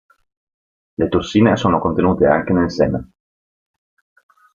Le tossine sono contenute anche nel seme.